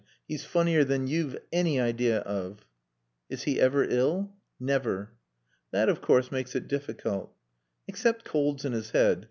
"He's funnier than you've any idea of." "Is he ever ill?" "Never." "That of course makes it difficult." "Except colds in his head.